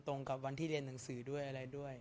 สงฆาตเจริญสงฆาตเจริญ